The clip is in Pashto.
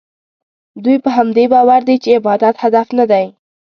دوی په همدې باور دي چې عبادت هدف نه دی.